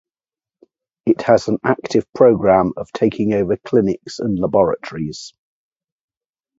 It has an active programme of taking over clinics and laboratories.